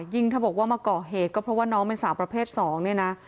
ถ้าบอกว่ามาก่อเหตุก็เพราะว่าน้องเป็นสาวประเภท๒เนี่ยนะ